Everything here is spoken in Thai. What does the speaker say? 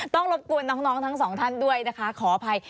รบกวนน้องทั้งสองท่านด้วยนะคะขออภัย